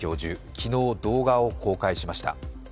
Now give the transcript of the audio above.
昨日、動画を公開しました。